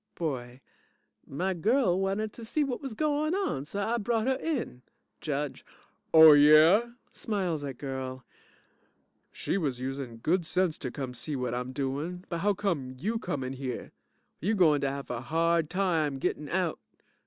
BOY My girl wanted to see whut was goin' on, so I brought her in. JUDGE Oh yeah! (Smiles at GIRL) She was usin' good sense to come see whut I'm doin', but how come you come in here? You gointer have a hard time gittin' out.